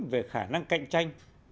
về khả năng cạnh tranh